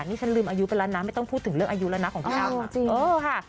นี่ฉันลืมอายุไปแล้วนะไม่ต้องพูดถึงเรื่องอายุแล้วนะของพี่อ้ำจริง